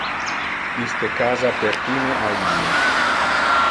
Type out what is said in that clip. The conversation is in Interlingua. Iste casa pertine a ille.